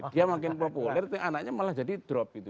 dia makin populer anaknya malah jadi drop gitu